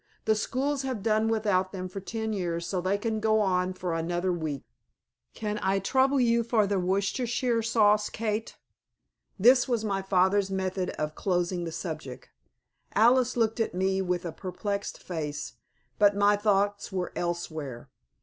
"The schools have done without them for ten years so they can go on for another week. Can I trouble you for the Worcestershire sauce, Kate?" This was my father's method of closing the subject. Alice looked at me with perplexed face, but my thoughts were elsewhere.